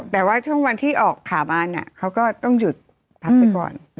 แต่ว่าช่วงวันที่ออกขาบานเขาก็ต้องหยุดพักไปก่อน